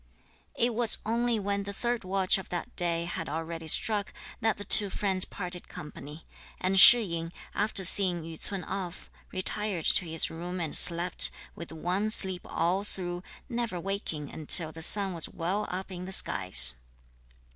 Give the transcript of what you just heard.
It was only when the third watch of that day had already struck that the two friends parted company; and Shih yin, after seeing Yü ts'un off, retired to his room and slept, with one sleep all through, never waking until the sun was well up in the skies.